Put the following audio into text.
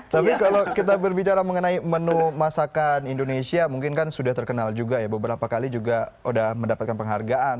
tapi kalau kita berbicara mengenai menu masakan indonesia mungkin kan sudah terkenal juga ya beberapa kali juga sudah mendapatkan penghargaan